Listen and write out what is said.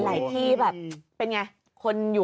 ไหนที่แบบเป็นอย่างไร